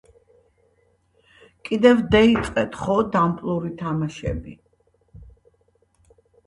კიდევ დეიწყეთ, ხო, დამპლური თამაშები?!